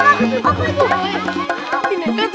itu panjang apa itu